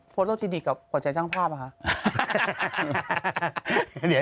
โฟโลด์ที่ดีกับหัวใจช่างภาพหรือคะ